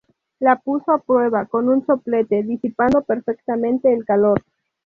La puso a prueba con un soplete, disipando perfectamente el calor.